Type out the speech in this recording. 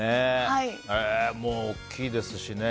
もう大きいですしね。